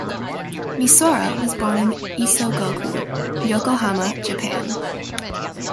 Misora was born in Isogo-ku, Yokohama, Japan.